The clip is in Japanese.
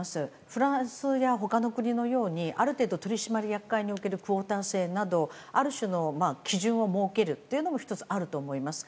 フランスや他の国のようにある程度、取締役会におけるクオーター制などある種の基準を設けるというのも１つ、あると思います。